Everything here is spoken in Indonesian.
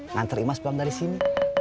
ngantar imaz pulang dari sini